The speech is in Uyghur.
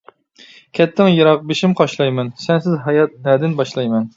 كەتتىڭ يىراق بېشىم قاشلايمەن، سەنسىز ھايات، نەدىن باشلايمەن.